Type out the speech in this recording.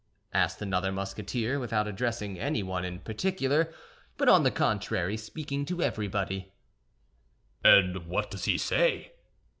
asked another Musketeer, without addressing anyone in particular, but on the contrary speaking to everybody. "And what does he say?"